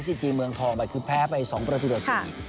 ซีจีเมืองทอแพ้ไป๒ประตูรศรี